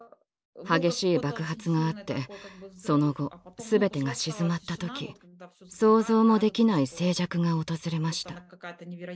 激しい爆発があってその後すべてが静まった時想像もできない静寂が訪れました。